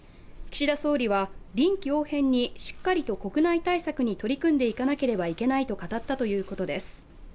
岸田総理は、臨機応変にしっかりと国内対策に取り組んでいかなければいけないと語ったということです。